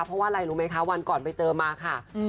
เพราะว่าอะไรรู้ไหมคะวันก่อนไปเจอมาค่ะ